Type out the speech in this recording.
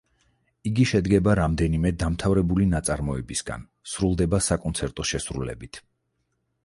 იგი შედგება რამდენიმე დამთავრებული ნაწარმოებისაგან, სრულდება საკონცერტო შესრულებით.